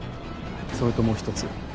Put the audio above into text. それともう一つ。